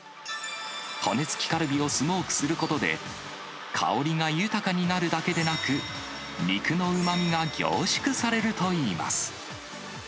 骨付きカルビをスモークすることで、香りが豊かになるだけでなく、肉のうまみが凝縮されるといいます。